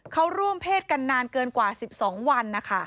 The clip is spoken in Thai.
เขาร่วมเพศกันนานเกินกว่า๑๒วันนะคะ